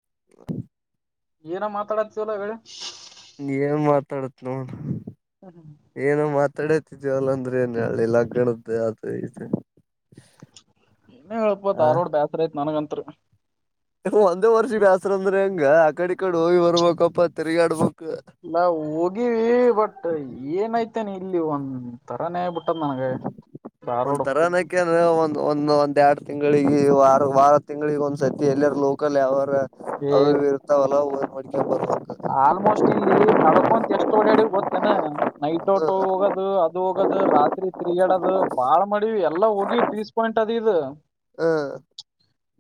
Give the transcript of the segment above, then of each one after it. ಹ ಏನ ಮಾತಾಡಾತಿವಲ್ಲ ವೇಳೆ ನೀ ಏನ್ ಮಾತಾಡತ್ ನೋ ಏನೋ ಮಾತಾಡತಿದೇ ಅಲ್ಲೊಂದು ನನ್ಳೆ ಲಾಗಣದ ಯತ ಏ ಹ ಹೇಳಳ್ಪ ದಾರ್ವಾಡ್ ಬೇಸ್ರ ಐತ್ ನನಗಂತ ಹತ್ರ ಒಂದೇ ವರ್ಷ ಬ್ಯಾಸರ ಅಂದ್ರೆ ಹೆಂಗ ಆಕಡೆ ಈ ಕಡೆ ಹೋಗಿ ಬರ್ಬೇಕಪ್ಪ ತಿರುಗಾ ಆಡ್ಬ ನಾ ಹೋಗಿವವಿ ಬಟ್ ಏನಾಯ್ತು ೇನೆ ಇಲ್ಲಿ ಒಂದ್ ತರಾನೇ ಬಿಟ್ಟದ್ ನನ್ಗೆ ಒಂದ್ ತರಾನಕ ಒಂದ ಒಂದ ಒಂದ್ ಎರಡು ತಿಂಗಳಿಗೆ ವಾರ ವಾರ ತಿಂಗಳಿಗೆ ಒಂದ್ ಸರ್ತಿ ಎಲ್ಲರ ಲೋಕಲ್ ಯಾವರು ಏ ಅದು ಇರುತ್ತಾವ ಹೊಲ ಆಲ್ಮೋಸ್ಟ್ ಇಲ್ಲಿ ನಡ್ಕೊಂತ ಎಷ್ಟು ತೋಡ್ಯಾಡಿ ಗೊತ್ತೇನೆ ನೈಟ್ ಓಟೋ ಹೋಗೋದು ಹೋಗದು ರಾತ್ರಿ ತಿರುಗಾಡದು ಬಾಳ್ ಮಾಡೀ ಎಲ್ಲಾ ಹೋಗಿವ ಪೀಸ್ ಪಾಯಿಂಟ್ ಅದ ಇದು ಹ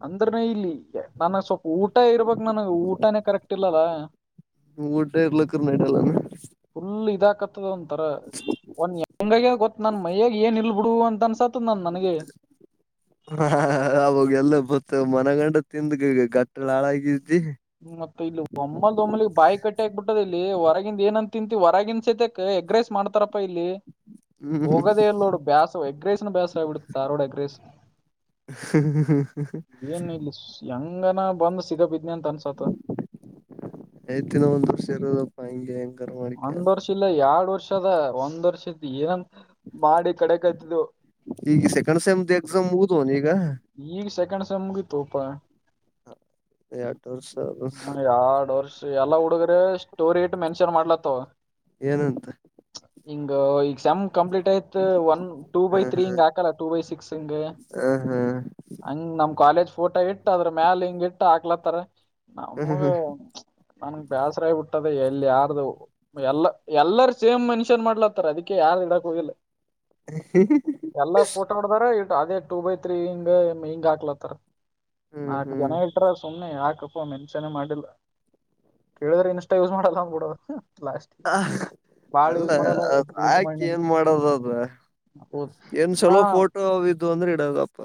ಅಂದ್ರನ ಇಲ್ಲಿ ನನಗ್ ಸ್ವಲ್ಪ ಊಟ ಇರ್ಬಕ್ ನನಗ ಊಟಾನೇ ಕರೆಕ್ಟ್ ಇಲ್ಲದ ಊಟ ಇ ಲಕ್ಕ ನಟಲ್ಲಾನ ಒಂತರ ಒಂದ ಹೆಂಗ ಗೊತ್ತ ನನ್ ಮಯೇ ಏನ್ ಇಲ್ ಬಿಡು ಅಂತ ಅನ್ಸತ್ ಹ ಅಬ ಗ ಬ [inaudible] [inaudible] ್ಮ ಮತ್ತೆ ಇಲ್ಲಿ ಒಮ್ಮಲ್ ಒಮ್ಮಲಿ ಬಾಯಿ ಕಟ್ಟಿ ಆಕ್ಬಿಟ್ಟದ ಇಲ್ಲಿ ಹೊರ ಹೊರಗಂದ ಏನಂತ ತಿಂತೀ ಹೊರಗನ್ ಸೈತೆಕ್ ಎಗ್ರೈಸ್ ಮಾಡ್ತಾರಪ್ಪಾ ಇಲ್ಲಿ ಹೋಗದೇಲ್ಲೋಡ ಬಸ ಎಗ್ರೇಸನ್ ಬೇಸ ಆಿ ಬಿಡ್ತಾರೋಡ ಎಗ್ರೇಸ್ ಹ [inaudible] ಂಗ ಬಂದ್ [inaudible] ಚಿಗವಿದ್ ಆಯ್ತಿನ ಒಂದ್ ವರ್ಷ ಇರೋದು ಭಯ [unintelligible] ಒಂದ್ ವರ್ಷ ಇಲ್ಲ ಎರಡ್ ವರ್ಷ ದ ಒಂದ ವರ್ಷದ ಏನ [unintelligible] ಈಗ ಸೆಕೆಂಡ್ ಸೆಮತ್ ಎಕ್ಸಾಮ್ ಊದವನ ಈಗ ಈಗ ಸೆಕೆಂಡ್ ಸಮಮಗ ತೋಪ ಎರ್ಡ್ ವರ್ಷ ಅದು ಹ್ಮ ಎರಡ್ ವರ್ಷ ಎಲ್ಲ ಹುಡುಗ್ರ ಸ್ಟೋರಿ ಇಟ್ ಮೆನ್ಷನ್ ಮಾಡ್ಲತ್ತ ಏನಂತ ಹಿಂಗ ಎಕ್ಸಾಮ್ ಕಂಪ್ಲೀಟ್ ಆಯ್ತು ಒನ್ ಟೂ ಬೈ ಹ ತ್ರ್ರೀ ಹಿಂಗ್ ಹಾಕಲ್ಲ ಟೂ ಬೈ ಸಿಕ್ಸ್ ಹಿಂಗ ಹ ಹ ಹಾ ಹಂಗ್ ನಮ್ ಕಾಲೇಜ್ ಫುಲ್ ಊಟ ಇಟ್ಟ ಅದ್ರ ಮ್ಯಾಲ ಹಿಂಗ ಇಟ್ಟ ಹಾಕ್ಲತ್ತಾರ ನಮಗ ನನ್ಗ್ ಬೇಾಸರ ಆಬುಟ್ಟು [unintelligible] ತದ ಎಲ್ಲಿ ಯಾರ್ದು ಎಲ್ಲ ಎಲ್ಲಾರ ಸೇಮ್ ಮೆನ್ಷನ್ ಮಾಡ್ಲತ್ತಾರ ಅದಕ್ಕೆ ಯಾರ್ದು ಇಡಕ್ ಹೋಗಿಲ್ಲ ಹ್ಮ್ ಎಲ್ಲ ಫೋಟೋ ಮಾಡಿದಾರ ಇ ಅದೇ [unintelligible] ಟೂ ಬೈ ತ್ರೀ ಇಂ ಹಿಂಗ್ ಹಕ್ಲತ್ತರ್ ಹ್ಮ್ ಹ್ಮ್ ನಾಲ್ಕು ಜನ ಹ್ಮ್ ಇಟ್ರ ಸುಮ್ಮನೆ ಯಾಕು ಮೆನ್ಸನೇ ಮಾಡಿಲ್ಲ ಕೇಳಿದ್ರೆ ಇನ್ಸ್ಟಾ ಯೂಸ್ ಮಾಡಲ್ಲಂದ್ಬಿಡೋದು ಹ ಅಲ್ಲ ಮಾಡಲ್ಲ ಡಿಲೀಟ್ ಆಾಕ ಮಾಡಿ ಏನ್ ಮಾಡದ ಅದ ಹೌದು ಏನ್ ಚಲೋ ಫೋಟೋ ಇದಿದು ಅಂದ್ರೆ ಇಡದಪ್ಪ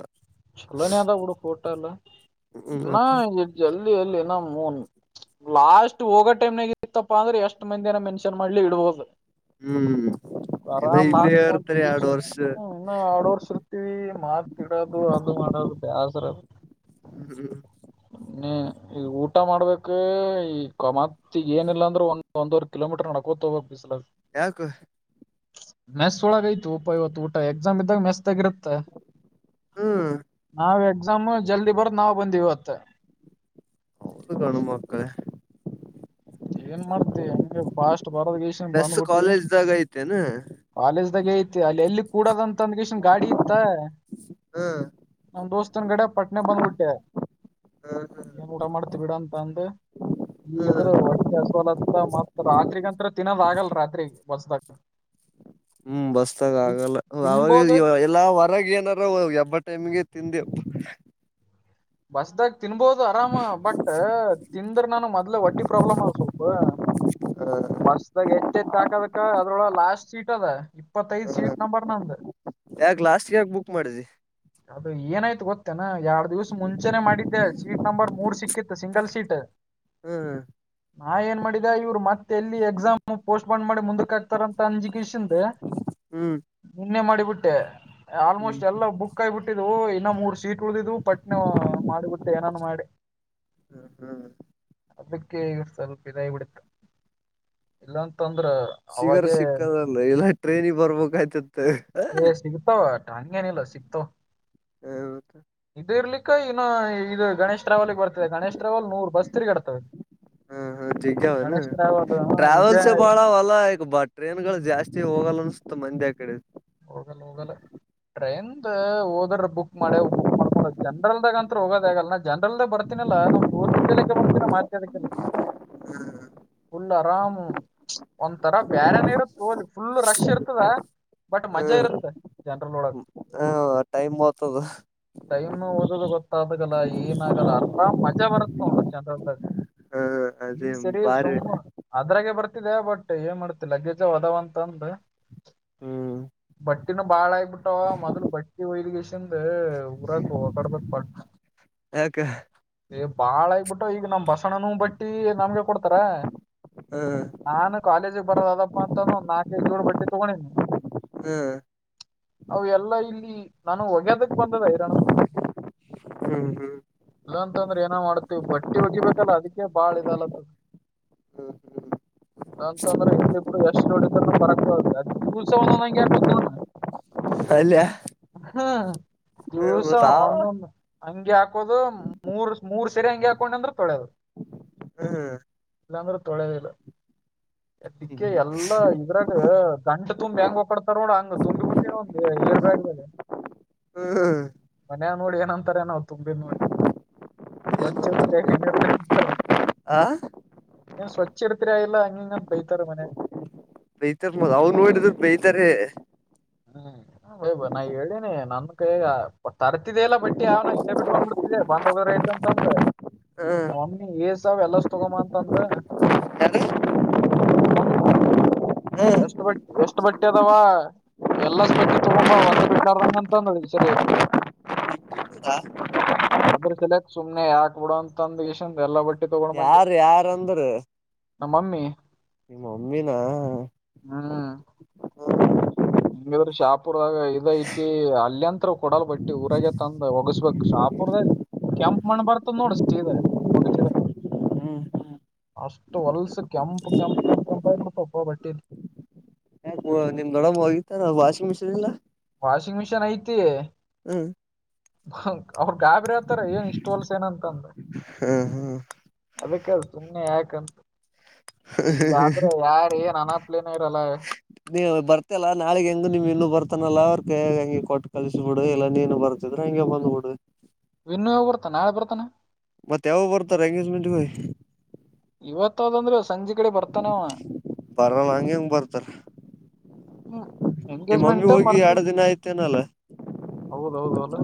ಲೋನ ಅದ ಕೂಡ ಫೋಟ ಎಲ್ಲ ಹ್ಮ್ ಮತ್ತ ಇ ಜಲ್ದಿ ಇಲ್ಲಿ ನನ್ ಲಾಸ್ಟ್ ಹೋಗೋ ಟೈಮ್ನಾಗ ಇತ್ತಪ್ಪ ಅಂದ್ರೆ ಎಷ್ಟ್ ಮಂದಿನ ಮೆನ್ಷನ್ ಮಾಡ್ಲಿ ಇಡ್ಬೋುದು ಹ್ಮ್ ಇನ್ನ ಆರಾಮ್ ಇಲ್ಲೇ ಹಾಕೊಂತ ಇರ್ತಾರೆ ಎರ್ಡ್ ಖುಷಿಯಿನ ವರ್ಷ ಹ್ಮ್ ಇನ್ನು ಆಡೋರ್ಸರ್ತೀವಿ ಮಾತ [unintelligible] ಅದು ಮಾಡೋದು ಬೇಸರದು ಹ್ಮ್ ಇನ್ನ ಈಗ ಊಟ [unintelligible] ಮಾಡ ಮಾಡ್ಬೇಕ ಈ ಮತ್ ಏನಿಲ್ಲ ಅಂದ್ರೆ ಒಂದ ಒಂದವರ್. ಕಿಲೋಮೀಟರ್ ನಡ್ಕೋತ ಹೋಗಬೇಕಕ್ ಬಿಸಲ ಯಾಕು. ಮ್ಯಾಥಸ್ ಒಳಗ ಯ್ತು ಉಪ ಇವತ್ತು ಊಟ ಎಕ್ಸಾಮ್ ಇದ್ದಾಗ ಮ್ಯಾಥ್ದಾಗ ಇರುತ್ತೆ ಹ್ಮ್ ನಾವ್ ಎಕ್ಸಾಮ್ ಜಲ್ದಿ ಬರ್ದ್ ನಾವವು ಬಂದವ ಅತ್ತ. ಹೌದು ಗಂಡು ಮಕ್ಕಳೇ. ಏನ್ ಮಾಡ್ತಿ ಹೆಂಗೆ ಫಾಸ್ಟ್ ಬರದ್ ಗೀಷನ್ ನೆಸ್ ಬಂದ್ಬಿಟ್ಟಿ ಕಾಲೇಜ್ದಾಗ ಐತೆೇನ ಕಾಲೇ [unintelligible] ಜ್. ಐತಿ ಅಲ್ಲಿ ಎಲ್ಲಿ ಕೂಡದಂತ [unintelligible] ಂದಗಷನ್ ಗಾಡಿ ಇತ್ತ ಹ್ಮ್ ನಮ ದೋಸ್ತನ್ ಗಡೆ ಪಟ್ನೆ ಬಂದ್ಬಿಟ್ಟೆ ಹ್ಮ್ ಏನ್ ಊಟ ಮಾಡ್ತ ಬಿಿಡ ಅಂತ ಅಂದ ಹ್ಮ್ ಈಗಿದ್ರಟ್ಟ [unintelligible] ಸವಲತ್ತ ಮತ್ ರಾತ್ರಿಗಂತ ತಿನ್ನೋದಗಲ್ಲ ರಾತ್ರಿರಿಗೆ. ಬಸ್ತಕ. ಹ್ಮ್ ಬಸ್ತಾಗ ಆಗಲ್ಲ ಅವಾಗ ತಿನ್ಬೋದು ಎಲ್ಲಾ ಹೊರಗ ಏನಾರ ಎಬ್ಬ ಟೈಮಗೆ. ತಿಿಂದೆವು. ಬಸ್ದ. ತಿನ್ಬಹದು ಆರಾಮ ಬಟ್ ತಿಂದ್ರೆ ನಾನ ಮೊದ್ಲೆ ಒಟ್ಟಿ ಪ್ರಾಬ್ಲಮ್ ಅ ಸ್ವಲ್ಪ ಬಸ್ದಾಗ ಎಚ್ ಹೆಚ್ ಹಾಕದಕ ಅದ್ರೊಳ ಲಾಸ್ಟ್. ಸೀಟ್ ಅದ. ಇಪ್ಪತ್ತೈದ್ ಹ ಸೀಟ್ ನಂಬರ್ ನಂದ್ ಯಾಕ ಲಾಸ್ಟ್ ಯಾಕ ಬುಕ್ ಮಾಡಿದ. ಅದು ಏನಾಯ್ತು ಗೊತ್ತೇನಾ ಯಾವ. ಮುಂಚೆನೆ ಮಾಡಿದ್ದೆ ಸೀಟ್ ನಂಬರ್ ಮೂರ್ ಸಿಕ್ಕಿತ್ತು ಸಿಂಗಲ್ ಸೀಟ್. ಹ್ಮ್ ಹಾ. ನಾ ಏನ್ ಮಾಡಿದ ಇವ್ರು ಮತ್ತೆ. ಎಲ್ಲಿ ಎಕ್ಸಾಮ್ ಪೋಸ್ಟ್. ಮಾಡಿ ಮುಂದಕ್ಕೆ ಹಾತಾರಂತ ಅಂಜ. ೆ ಹ್ಮ್ ನಿನ್ನೆ ಮಾಡಿ. ಬಿಿಟ್ಟು. ಹ್ಮ್ ಆಲ್ಮೋಸ್ಟ್ ಎಲ್ಲಾ ಬುಕ್ ಕಾಯಿಬಿಟ್ಟಿದ್ವು. ಇನ್ನ ಮೂರು ಸೀಟ್ ಉಳಿದು. ಮಾಡಿಬಿಟ್ಟೆ ಏನಾನ ಮಾಡಿ. ಹ್ಮ್ ಅದಕ್ಕೆ ಸ್ವಲ್ಪ ಇದಾಯ ಬಿಡುತ್ತೆ ಎಲ್ಲಂತ. ಸಿಗರ್ ಸಿಕ್ಕದಲ್ಲ ಇಲ್ಲಾ ಟ್ರೈನಿಿಗೆ ಬರ್ಬೇಕಯ್ತತ್. ಏ ಸಿಗ್ತಾವ ಹಂಗೇನಿಲ್ಲ ಸಿಕ್ತೋ. ಹತ ೇ ಇರ್ಲಿಕ್ಕ ಇನ. ಬಸ್ ತಿರುಗಾಡ್ತವೆ ಹಾ ಹಾ ಜಿಗ್ಯಾವನು ಗಣೇಶ್ ಟ್ರಾವೆಲ್ ವಿಜಯ ಟ್ರಾವೆಲ್ಸ್ ಬಾಳ ಅವಲ್ಲ ಈ ಬ ಟ್ರೇನ್ ಹ್ಮ್ ಗಳು ಜಾಸ್ತಿ ಹೋಗಲ್ಲನ್. ಮಂದಿ ಆ ಕಡೆ. ಹೋಗಲ್ಲ ಹೋಗಲ್ಲ ಟ್ರೈನ್ ಹೋದ್ರ ಬುಕ್ ಮಾಡೆ ಬುಕ್ ಮಾಡ್ಕೊಂಡ ಜನ್ರಲ್ದಾಗಂತ ಹೋಗೋದ ಆಗಲ್ಲ ಜನರಲ್ದಾಗ ಬರ್ತೀನಲ್ಲ ನಮ್ ದೋಸ್ತರ ಜ ಮಾತಿ ಅಡಕ್ಕೆಲ್ಲ ಹ್ಮ ಹ್ಮ ಫುಲ್ ಆರಾಮ್ ಒಂಥರ ಬೇರೆನ ಇರತ್ತೋಲಿ ಫುಲ್ ರಶ್ ಇರ್ತದ ಬಟ್ ಮಜಾ ಇರುತ್ತ ಜನರಲ್ ಒಳಗ ಹಾ ಟೈಮ್ ಹೋತದು ಟೈಮ್ ಓದೋದು ಗೊತ್ತಾದಾಗಲ್ಲ ಏನ ಆಗಲ್ಲ ಆರಾಮ್ ಮಜಾ ಬರುತ್ತ ನೋಡ ಜನರಲ್ದಾಗ ಹ ಅದೇ ಈ ಸರಿ ಬಾರಿ ಸುಮ್ಮ ಅದ್ರಾಗೆ ಬರ್ತ ಕೊಟ್ಟಿದೆ ಬಟ್ ಏನ್ ಮಾಡ್ತಿ ಲಗೇಜ ಅವ ಅದಾವ ಅಂತಂದ ಹ್ಮ್ ಬಟ್ಟಿನ ಬಾಳ ಆಗಬಿಟ್ಟವ ಮೊದ್ಲು ಬಟ್ಟಿ ಒಯ್ಗೆಷ್ ದ ಊರಾಕ್ ಒಕ್ಕಡ್ಬೇಕ ಪಟ್ನ ಯಾಕ ಏ ಬಾಳಾಗಿಬಿಟ್ಟವ ಈಗ ನಮ್ ಬಸಣನ್ವೂ ಬಟ್ಟಿ ನಮ್ಗೆ ಕೊಡ್ತಾರ ಹ ಹಾ ನ ಕಾಲೇಜ ಬರದ ಅದಪ್ಪ ಅಂತ ನಾಕೈದ ಜೋಡ್ ಬಟ್ಟಿ ತಗೊಂಡೇನಿ ಹ್ಮ್ ಅವ ಎಲ್ಲಾ ಇಲ್ಲಿ ನಾನು ಒಗೆದಕ್ ಬಂದದ ಹೈರಾಣ ಸ್ವಲ್ಪ ಹ್ಮ್ ಹ್ಮ್ ಇಲ್ಲ ಅಂತಂದ್ರೆ ಏನೋ ಮಾಡ್ತೇವಿ ಬಟ್ಟೆ ಒಗಿಬೇಕಲ್ಲ ಅದಕ್ಕೆ ಬಾಳ ಇದಾಲತ್ತದ ಹ್ಮ್ ಇಲ್ಲಾಂತಂದ್ರೆ ಇರ್ಲಿ ಬಿಡು ಎಷ್ಟ ಜೋಡ ಇದಿದ್ರ ಪರಕ್ ಅದ ದಿವಸ ಸಾ ಒಂದೊಂದ ಆಕೋತ್ನ ನೋಡ್ನಾ ಅಲ್ಲ್ಯಾ ಹಾ ದಿವಸ ಒಂದೊಂದ ಅಂಗಿ ಹಾಕೋದು ಮೂರ್ ಮೂರ್ ಸರಿ ಅಂಗಿ ಹಾಕೊಂಡ್ನೆಂದ್ರ ತೊಳೇದು ಹ್ಮ್ ಇಲ್ಲಾಂದ್ರೆ ತೊಳೆದಿಲ್ಲ ಅದಿಕ್ಕೆ ಎಲ್ಲಾ ಇದ್ರಾಗ ದಂಡ ತುಂಬಿ ಹೆಂಗ್ ಒಕಾಡ್ತಾರ ನೋಡ ಹಂಗ್ ತುಂಬಿ ಬಿಟ್ಟಿನ ಒಂದ್ ಏರ್ ಬ್ಯಾಗ್ದಾಗ ಹ್ಮ್ ಮನ್ಯಾಗ ನೋಡಿ ಏನಂತಾರೆ ಏನವ್ ತುಂಬಿದ ನೋಡಿ ಸ್ವಚ್ ಇರ್ತಿರಿ ಏನಿರ್ತಿರಿ ಅಂತಾರ ಆ ಏನ್ ಸ್ವಚ್ಛ ಇಡ್ತಿರೇ ಇಲ್ಲ ಅಂಗ ಇಂಗ ಅಂತೇಳಿ ಬೈತಾರ ಮನ್ಯಾಗ ಬೈತಾರ ಮಗ ಅವ್ನೋಡಿದ್ರೇ ಬೈತಾರೆ ಹ್ಮ್ ವೈಬಾ ನಾ ಹೇಳೀನಿ ನನ್ ಕೈಯಾಗ ತರ್ತಿದ್ದೇಲಾ ಇಲ್ಲ ಬಟ್ಟಿ ಯಾವ್ನ ಇಲ್ಲೇ ಬಿಟ್ಟು ಬಂದ್ ಬಿಡ್ತಿದ್ದ ಬಂದ್ ಹೋಗಾರಾಯ್ತ ಅಂತಂದ ಹ್ಮ್ ನಮ್ಮಮ್ಮಿ ಏಸವ್ ಎಲ್ಲಸ್ ತಗೋಂಡ್ಬಾ ಅಂತಂದ್ಲ ಯಾರು ನಮ್ಮಮ್ಮಿ ಹ್ಮ್ ಎಷ್ಟ ಬಟ್ಟಿ ಎಷ್ಟ ಬಟ್ಟೆ ಅದಾವ ಎಲ್ಲಾಸ್ ಬಟ್ಟಿ ತುಗೊಂಬಾ ಒಂದ್ ಬಿಡ್ಲಾರದಂಗ ಅಂತಂದ ಈ ಸರಿ ಅದ್ರ ಸಲಾಕ್ ಸುಮ್ನೆ ಯಾಕ್ ಬಿಡ ಅಂತಂದ ಇಂದ ಎಲ್ಲ ಬಟ್ಟ ಯಾರ ಯಾರ ಅಂದ್ರ ನಮ್ಮಮ್ಮಿ ಮಮ್ಮಿನಾ ಹ್ಮ ಹೆಂಗಿದ್ರ ಶಾಪುರದಾಗ ಇದ ಐತಿ ಅಲ್ಲೆಂತ್ರೂ ಕೊಡಲ್ ಬಟ್ಟಿ ಊರಾಗ ತಂದ ಒಗಸ್ಬೇಕು ಶಾಪುರ್ದಾಗ ಕೆಂಪ್ ಮಣ ಬರ್ತದ ನೋಡ ಸೀದಾ ಒಗಸಿದ್ರ ಹ್ಮ್ ಅಷ್ಟು ಹೊಲ್ಸ ಕೆಂಪ್ ಕೆಂಪ್ ಕೆಂಪ್ ಕೆಂಪ ಆಬಿಡ್ತಪ್ಪ ಬಟ್ಟೀ ನಿಮ್ಮ ದೊಡ್ಡಮ್ಮ ಒಗಿತದ ವಾಷಿಂಗ್ ಮಿಷಿನ್ ಇಲ್ಲ ವಾಷಿಂಗ್ ಮಿಷಿನ್ ಐತಿ ಹ್ಮ್ ಅವ್ರ ಗಾಬರಿ ಹತಾರ ಏನ್ ಇಷ್ಟು ಹೋಲ್ಸ ಏನಂತಂದ ಹ್ಮ ಹ್ಮ್ ಅದಕ್ಕಲ್ ಸುಮ್ಮ್ನೆ ಯಾಕಂತ ಇಲ್ಲಾದ್ರೆ ಯಾರ ಏನ್ ಅನ ಲೆ ನರಲ್ಲ ನೀ ಬರ್ತಲ್ಲಾ ನಾಳಗ್ ಹೆಂಗು ನಿಮ್ ಇನ್ನು ಬರ್ತಾನಲ್ಲ ಅವ್ರ ಕ ಹೆಗೆ ಕೊಟ್ಟು ಕಲ್ಸಬಿಡು ಇಲ್ಲ ನೀನು ಬರ್ತಿದ್ರ ಹಂಗೆ ಬಂದ್ಬಿಡು ವನ್ಯೋಗ ಬರ್ತೆ ನಾಳೆ ಬರ್ತಾನ ಮತ್ತ ಯಾವ ಬರ್ತಾರ ಎಂಗೇಜ್ಮೆಂಟ್ಗೆ ಇವತ್ತಾವಂದ್ರೆ ಸಂಜೆ ಕಡೆ ಬರ್ತಾನಾವ ಬರಲ್ಲ ಹಂಗೆ ಹೆಂಗಗೆ ಬರ್ತಾರ ಹ್ಮ್ ನಿಮ್ಮ ಮಮ್ಮಿ ಹೋಗಿ ಎರಡ ದಿನ ಆಯ್ತೇನಲ್ಲ ಹೌದೌದು ಅಲ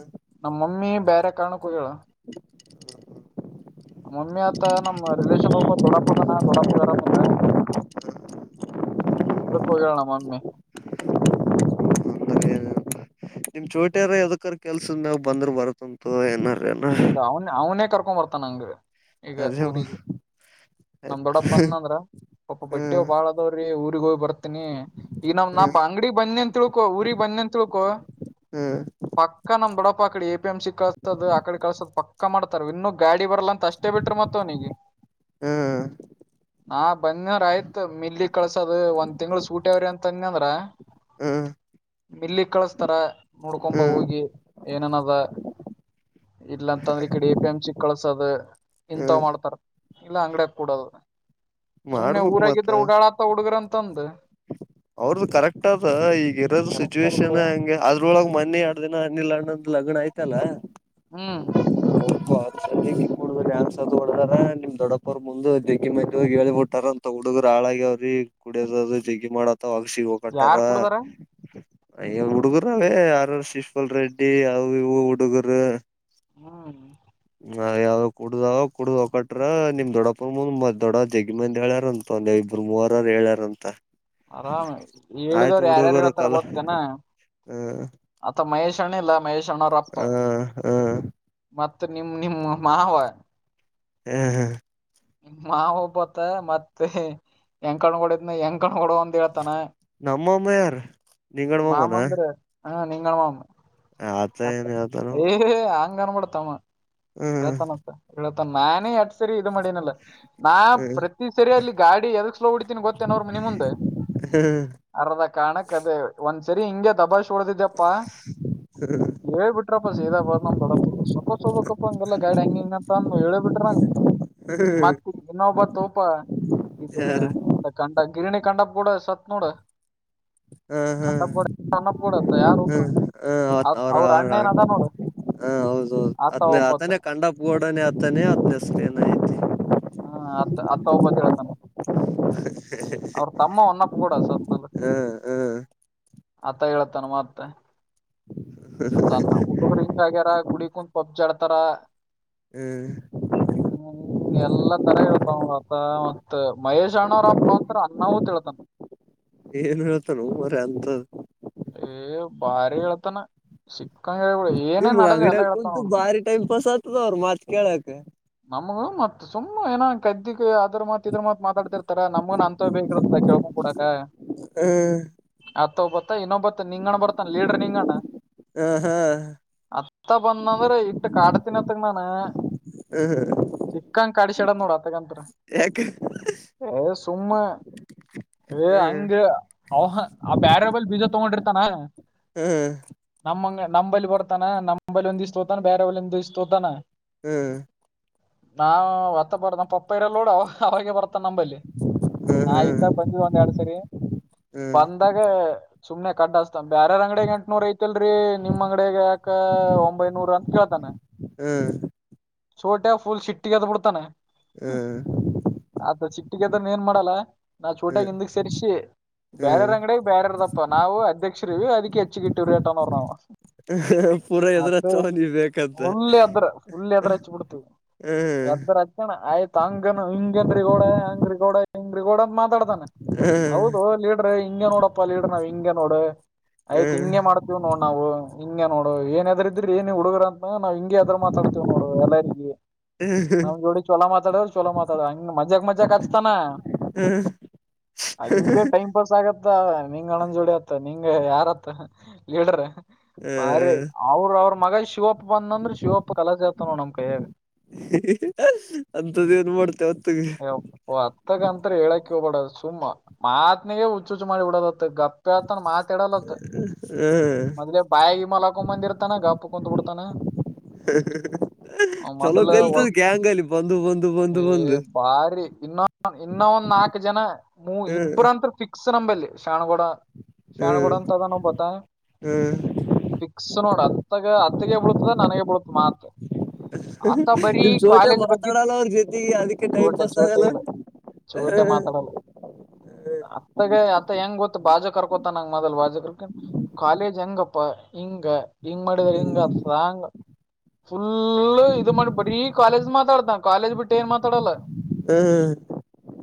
ಅಂದ್ರ ನಮ್ಮ ಮಮ್ಮಿ ಬೇರೆ ಕಾರಣಕ್ಕ ಹೋಗ ಮಮ್ಮಿ ಆತ ನಮ್ಮ್ ರಿಲೇೇಶನ್ ಒಬ್ಬ ದೊಡ್ಡಪ್ಪ ಅದಾನ ದೊಡ್ಡಪ್ಪಗೆ ಆರಾಮದ ಇದಕ್ಕ ಹೋಗ ನಮ್ಮ ಮಮ್ಮಿ ಏನ ನಿಮ್ ಚೋಟಿಯಾರ ಎದಕರ್ ಕೆಲ್ಸದ ನಾವ್ ಬಂದ್ರ ಬರತ್ತಂತು ಏನಾರ ಇಲ್ಲ ಅವನ್ ಅವನೇ ಕರ್ಕೊ್ ಬರ್ತ ನಂಗ ಈಗ ಅದೇ ಮ ಊರಿಗೆ ನಮ ಆಯ್ತ್ ದೊಡ್ಡಪ್ಪ ಅಂದಂದ್ರ ಪಪ ಬಟ್ಟೆ ಹ್ಮ್ ಬಾಳದವ್ರಿ ಊ ಬತ ಈಗ ನಮ ನಾ ಹ್ಮ್ ಅಂಗಡಿ ಬನ್ನಿ ಅಂತ ತಿಳ್ಕೊ ಊರಿಗೆ ಬನ್ನಿ ಅಂತ ತಿಳ್ಕೊ ಹ್ಮ್ ಪಕ್ಕ ನಮ್ ದೊಡ್ಡಪ್ಪ ಅಡೆ ಎ ಪಿಎಂ ಸಿಕ್ಳತದೆ ಅಡೆ ಮಾಡ್ತಾರೆ ಇನ್ನು ಗಾಡಿ ಡಿ ಬರಲ್ಲ ಅಂತ ಅಷ್ಟೇ ಬಿಟ್ರ ಮತ್ತ ಅವನಿಗೆ ಹ್ಮ್ ಹಾ ಬಂದವ್ರ ಆಯ್ತ್ ಮಲ್ ಕಳ್ಸದ ಒಂದ್ ತಿಂಗಳ ಸೂಟ್ಯ್ರಿ ಅಂತನ್ ಅಂದ್ರ ಹ್ಮ್ ಮಲ್ಲಿಗ್ ಕಳಸ್ತಾರ ನೋಡ್ಕೊಂಬ ಹ್ಮ್ ಹೋಗಿ ಏನನದ ಇಲ್ಲ ಅಂತಂದ್ರೆ ಈ ಕಡೆ ಎ ಪಿ ಎಂ ಸಿಿ ಕಳಸದ ಇಂಥ್ ಹ್ಮ್ ಮಾಡ್ತಾರ ಇಲ್ಲ ಅಂಗಡೆ ಪೂಡೋದು ಸುಮ್ನೆ ಮಾಡ್ಬಕ್ ಊರಾಗಿದ್ರೆ ಉಓಡಾಡತ ಹುಡ್ಗ್ರ ಅಂತಂದ ಅವ್ರ್ದು ಕರೆಕ್ಟ್ ಅದ ಈಗ ಇರೋದ ಕರೆಕ್ಟ್ ಅದ ಸಿಚುವೇಷನ್ ಬಿಡು ಹಂಗೆ ಅದ್ರೊಳಗ್ ಮನಿ ಎರಡು ದಿನ ಹನಿ ಈ ಕಡೆ ಆಯ್ತಲ್ಲಾ ಹ್ಮ್ ಹೌದು ಅದು ಸದ್ಯಕ್ಕೆ ಕೂಡಂಗ ಹ ನಿಮ್ ದೊಡ್ಡಪ್ಪ ಅವರು ಮುಂದ ಗ್ಿ ಮ ಹೇಳಿಬ ಬಿಟ್ಟಾರ ಅಂತ ಹುಡುಗರು ಹಾಳಾಗ್ಯ ಅವ್ರಿ ಕುಡಿಯದ ಹ ಮಾಡ ಮವಾಗ ಸಿಗ ಹೊ ಕಟ್ಟಾರ ಯಾರ್ ಕುಡದಾರ ಅಯ್ಯ ಹುಡುಗರ ಅವೇ ಯಾರ ಶಶ್ಪಾಲ್ ರೆಡ್ಡಿ ಅವ ಇ ಹುಡುಗರು ಹ್ಮ್ ನಾವ್ ಯಾವ ಕುಡುದಾವ ಕುಡುದ್ ಹೊಕಟ್ರ ನಿಮ್ ದೊಡ್ಡಪ್ಪಪರ್ ಮುಂದ ಮ ದೊಡ ಜಗಿ ಮಂದ ಹೇಳ್ಯಾರ ಅಂತ ನೀಾವ ಇಬ್ಬರು ಮೂವರರು ಹೇಳ್ಯಾರಂತ ಆರಾಮ್ ಆಯ್ತು ಹೇಳಿದವರು ಯಾರ್ಯಾರು ಹುಡುಗರು ಹೇಳ್ತಾರ ಕಲ ಗೊ್ತ್ತೇನಾ ಹ ಅಥ ಮಹೇಶ್ ಅಣ್ಣ ಇಲ್ಲ ಮಹೇಶ್ಣ್ಣವ್ರಪ್ಪ ಹ ಹ ಮತ್ತ ನಿ ನಿ ಮಾವಯ ಹ್ಮ್ ಹ್ಮ್ ಮಾವ ಒಬತ್ತ ಮತ್ತೆ ಹೆಂಗ ಕಣ್ಗಡ ಇದ್ನ ಹೆಂಗ ಕಣ್ಗಡ ಒಂದ ಹೇಳ್ತಾನ ನಮ್ಮ ಅಮ್ಮ ಯಾರು ನಿಂಗಡ ಮಾಮ್ಮಾನ ಹಾ ನಿಗಳ ಮಾ ಅತ್ತ ಏನ್ ಹೇಳ್ತಾನೋ ಏ ಕನಪಡ್ತಾಮ ಹ್ಮ್ ಹಳ್ತನಂತ ಹೇಳ ನಾನ ಎ ಸರಿ ಮಾಡನಲ್ಲ ನಾ ಹ್ಮ್ ಪ್ರತಿ ಸರಿ ಅಲ್ಲಿ ಗಾಡಿ ಎದಕ್ಲ ಹಡ್ತೀನಿ ಗೊತ್ತೇನ ಅವ್ರ ಮ ನಿ ಮುಂದೆ ಹ್ಮ್ ಅರ್ದ ಕಾಣಕ್ ಅದೇ ಒಂದ್ ಸರಿ ಹಿಂಗೆ ತಬಾ ೋಡದಿದ್ದ್ಯಪ್ಪಾ ಹ್ಮ್ ಹ್ಮ್ ಹೇಳ್ಬ ಬಿಟ್ರಪ್ಪ ಸದ ಬ ನಮ್ ದಡಪ್ಪ ಸೊಕಬಕಪ್ಪ ಗೈಡ್ ಹಂಗ ಹಂಗಂತ ಹೇಳಿ ಬಿಿಟ್ರ ನಂಗ ಮತ್ತೆ ಇನ್ನೊಬ್ಬ ತೋಪ ಇ ಕಂಡ ಗಿರಿಣಿ ಕಂಡಾ ಕೂಡ ಸತ್ ನೋಡು ಹ್ಮ ಕಂಡಪ್ ಕೂಡ ಅನ್ನಪ್ ಕೂಡ ಆತ ಹ್ಮ ಯಾರೂಪ ಹ ಹ ಆತ ಅವ್ರ ಅವ್ರ ಅಣ್ಣ ಏನ್ ಅದ ನೋಡು ಹಾ ಹೌದೌದು ಆತ ಒಬ್ಬತ ಅದನ್ನೇ ಕಂಡಪೂಡನ ತನೇ ಅಧ್ಯಸ್ತೆನ ಇ ಹ್ಮ ಅತ್ತ ಅತ್ತ ಒಬ್ಬತ್ ಹೇಳೇತಾನ ಹ [inaudible] ಹ ೂಡಾ ಸ ಹ್ಮ್ ಹ್ಮ್ ಆತ ಹೇಳತಾನ ಮತ್ತೆ ಅ ಅನ್ನ ಒಬ್ಬೊಬ್ರು ಹಿಂಗ ಆಗ್ಯಾರ ಪಬ್ಜಿ ಆಡ್ತಾರ ಹ್ಮ್ [inaudible] ಹ್ಮ ಎಲ್ಲಾ ತರ ಇೇಳ್ತಾವತ ಮತ್ತ ಮಹೇಶ್ ಅಣ್ಣವ್ ಅಪ್ಪ ಅಂತರ ಅನ್ನವುತ್ ಹೇಳತಾನ ಏನ್ ಹೇಳ್ತ ನ ಮರ ಅಂತದ್ ಏ ಭಾರ ಇಳತನ ಶಕ್ಕನ್ ನೀ ಮಗ ಅಂಗಡಿಯಕ್ಕೊಂತು ಬಾರಿ ಟೈಮ ಉಪಸ ಆತದ ಅವ್ರರು ಮಾತ್ ಕೇಳಕ್ ನಮಗ ಮತ್ತತ್ ಸುಮ್ಮ್ ಏನ ಕದ್ದಿ ಅದ್ರ ಮಾತ್ ಇದ್ರ ಮಾತ ಮಾತಾಡ್ತಿ ತರ ನಮಗು ಅಂತ ಬೇಕಿ ಕೆಳಕಡ್ ಕೂಡಾಕ ಹ್ಮ್ ತ್ತ ಬತ್ತಾನ ಇನ್ನೊಬ ಬತ್ತನಾ ನಿಂಗಣ್ ಬರ್ತಾನ ಲೀಡರ್ ನಿಂಗಣ ಹಾ ಹಾ ಅತ್ತ ಬಂದಂದ್ರೆ ಇಟ್ಟು ಕಾಡ ತಿನ್ತ್ತಂಗ ನಾನ ಹ್ಮ್ ಹ್ಮ್ ನೋಡೋ ಏ ಸುಮ್ಮ ಏ ಹ್ಮ್ ಹಂಗ ಅವ ಆ ಬ್ಯಾರಲ್ಲಿ ಬೀಜ ತಗೊಂಡ್ರ ತನ ಹ್ಮ್ ನಮ್ಮಂಗ ನಂಬಲಿ ಬರ್ತಾನ ನಂಬಲಿ ಒಂದು ಇಷ್ಟುತಕೊಂತನ ಬೇರೆವಲ್ಲಿ ಇಷ್ಟುತಕೊಂತನ ಹ್ಮ್ ನಾವ್ ಹೊತ್ತ ಬಾರ ನಮ್ಮ ಪಪ್ಪ ಇರಲ್ಲ ನೋಡು ಅವಾಗೆ ಬರ್ತನೆ ನಂಬಲ್ಲಿ ನಾ ಹ್ಮ್ ಇದ್ದಾಗ ಹ್ಮ್ ಬಂದಿದ್ದ ಒಂದ್ ಎರಡ್ ಸರಿ ಹ್ಮ್ ಬಂದಾಗ ಸುಮ್ನೆ ಕಡ್ಡಸ್ತ ಬೇಯಾರ ಅಂಗಡಗ್ ಎಂಟನೂರ್ ಐತೆಲ್ರರಿ ನಿಮ್ ಅಂಗಡಗ ಯಾಕ ಒಂಬೈನೂರ ಅಂತ ಕೇಳ್ತಾನೆ ಹ್ಮ್ ಚೊಟ್ಟ ಫುಲ್ ಸಿಟ್ಟಿಗೆ ಎದ್ದು ಬಿಡ್ತಾನೆ ಹ್ಮ್ ಸಿಟ್ಟಿಗೆಗೆದ್ರೆ ಏನು ಮಾಡಲ್ಲ ನಾ ಚೂಟಾಗಿ ಹ್ಮ್ ಹಿಂದಕ್ ಸರಿಸಿ ಬೇರೆರ ಹ್ಮ್ ಅಂಗಡಿಯಾಗ ಬೇರ್ಯಾರ್ದಪ್ಪ ನಾವು ಅಧ್ಯಕ್ಷ ರೀ ಅದಕ್ಕೆ ಹೆಚ್ಚಗಿ ಇಟ್ಟಿವಿ ಅನ್ನೋದು ನಾನು ಪೂರಾ ಎದ್ರ ಚಾವನಿ ಬೇಕಂತ ಬಿಡ್ತವಿ ಹ್ಮ್ ಎದ್ದ ಹಚ್ಚಣ ಆಯ್ತು ಹಂಗ ಹಿಂಗ ರಿಗೋಡ ಹಂಗರಿ ಕೋಡ ಹೆಂಗ ರರಿಗೋಡ ಮಾತಾಡ್ತಾನೆ ಹ್ಮ್ ಹೌದು ಲೀಡ್ರ ಹಿಂಗ ನೋಡಪ್ಪಾ ಲೀಡ್ರ ನಾವ್ ಹಿಂಗಗೆ ನೋಡ್ ಆಯ್ತ್ ಹ್ಮ್ ಹಿಂಗಗೆ ಮಾಡ್ತೀವ್ ನೋಡ್ ನಾವು ಹಿಂಗ ನೋಡು ಏನ್ನದ್ರ ಇದ್ರ ಏನ ಹುಗರ ಅ ನಾವು ಹಿಂಗ ಅದ್ರ ಮಾತಾಡ್ತ ಎಲ್ಲಗ ಹ್ಮ್ ನಮ ಜೋಡಿ ಚಲ ಮಾತಾಡ ಚಲ ಮಾತಾಡ ಹ ಮಜ್ಜಾಕ್ ಮಜ್ಜಕ್ ಹಚ್ತಾನ ಹ್ಮ್ ಹ ಟೈಮ್ ಪಾಸ್ ಆಗತ್ತ ನಿಂಗ ಅಣಂದ ಜೋಡಿ ಆತ್ತ ಹಂಗ ಯಾರತ್ ಲೀಡರ್ ಬಾರಿ ಅವ್ರರು ಅವ್ರ ಮಗ ಶಿವಪ್ಪ ಬಂದಂದ್ರ ಶಿವಪ್ಪ ಕಲಸ ನಮ ಕೈಯಾಗ ಅಂತದ ಏನ್ ಮಾಡ್ತೇವ ಹೊತ್ತಗೆ ಹತ್ತಗಂತರ ಹೇಳಕ ಹೋಗ್ಬಾಡ ಸುಮ್ಮ ಮಾತ್ನಿಗೆ ಹುಚ್ಚುಹುಚ್ಚು ಮಾಡಿ ಬಿಡೋದು ಗಪ್ಪ ಆತಾನ ಮಾತಾಡಲತ್ ಹ್ಮ್ ಮೊದ್ಲೇ ಬಾಯ ಮಲ ಹಾಕೊಬಂದ ಇರ್ತಾನ ಗಪ್ಪ ಕುೂತ್ ಬಿಡ್ತಾನ ಚಲೋ ಮೊದ್ಲ ಕಲಿತದ ಗ್ಯಾಂಗ್ ಅಲ್ಲಿ ಬಂದು ಬಂದು ಹೇ ಬಂದು ಬಂದು ಬಾರಿ ಇನ್ನೊ ಇನ್ನೊ ಒಂದ್ ನಾಕು ಜನ ನೀ ಹ್ಮ್ ಇಬ್ರಂತ್ ಫಿಕ್ಸ್ ನಂಬಲ್ಲಿ ಶಾಣ್ಗೂಡ ಶಣ್ಗುಡ ಹ್ಮ್ ಅಂತ ಅದ ನೋ ಗೊತ್ತಾ ಹ್ಮ್ ಫಿಕ್ಸ್ ನೋಡ ಹತ್ತಗ ಹತ್ತಗೆ ಬೀಳತದ ನನಗ ಬೀಳತ ಮಾತ್ ಆತ ಬರೀ ನಿಮ್ ಚೋಟೆ ಕಾಲೇಜ್ ಬಗ್ಗಿತು ಮಾತಾಡಲ್ಲ ಅವ್ರ ಜೊತೆಗೆ ಅದಕ್ಕೆ ಟೈಮ್ ಚೊಟ ಪಾಸ್ ಚೋಟ ಆಗಲ್ಲ ಇಲ್ಲ ಚೋಟೆ ಹ್ಮ್ ಮಾತಾಡಲ್ಲ ಅತ್ತಗ ಆತ ಹೆಂಗ ಗೊತ್ತ ಮ ಬಾಜ ಕರ್ಕೋತ ನಂಗ ಮದಲ್ ಬಾಜ ಕರ್ಕ ಕಾಲೇಜ್ ಹೆಂಗಪ್ಪಾ ಹಿಂಗ ಹಿಂಗ ಮಾಡಿದ್ರ ಹಿಂಗ ಆತದ ಹಂಗ ಫುಲ್ ಇದು ಮಾಡಿ ಬಡಿೀ ಕಾಲೇಜ್ ಮಾತ್ರ ಮಾತಾಡತಾ ಕಾಲೇಜ್ ಬಿಟ್ಟು ಏನ್ ಮಾತಾಲ್ಲ ಹ್ಮ್ ಹ್ಮ್